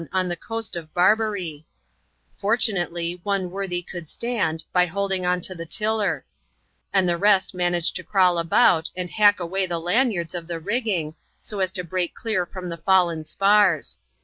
On the coast of Barbaree," Fortunately, one worthy could stand, by holding on to the tiller ; and the rest managed to crawl about, and hack away the lanjrards of the rigging, so as to break clear from the fallen spars.